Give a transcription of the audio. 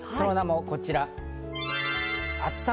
その名もこちら。